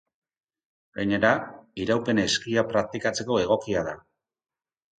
Gainera, iraupen-eskia praktikatzeko egokia da.